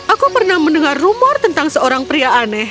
aku pernah mendengar rumor tentang seorang pria aneh